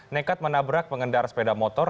nekat menabrak pengendara sepeda motor